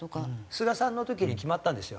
菅さんの時に決まったんですよ。